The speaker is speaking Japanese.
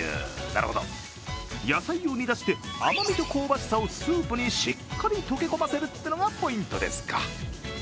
なるほど、野菜を煮だして、甘みと香ばしさをスープにしっかり溶け込ませるってのがポイントですか。